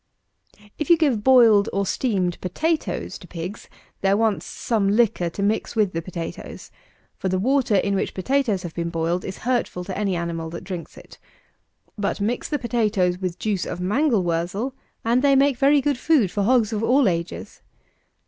257. If you give boiled, or steamed, potatoes to pigs, there wants some liquor to mix with the potatoes; for the water in which potatoes have been boiled is hurtful to any animal that drinks it. But mix the potatoes with juice of mangel wurzel, and they make very good food for hogs of all ages.